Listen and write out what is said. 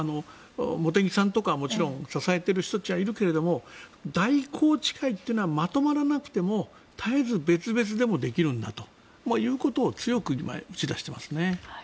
茂木さんとかはもちろん支えているっちゃ支えているけれど大宏池会というのはまとまらなくても絶えず別々でもできるんだということを強く打ち出していますね。